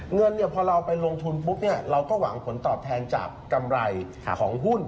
เงินพอเราไปลงทุนปุ๊บเราก็หวังผลตอบแทนจากกำไรของหุ้น